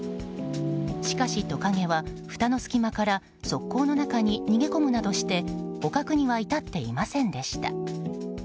しかしトカゲは、ふたの隙間から側溝の中に逃げ込むなどして捕獲には至っていませんでした。